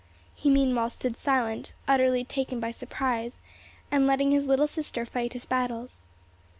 He meanwhile stood silent, utterly taken by surprise, and letting his little sister fight his battles.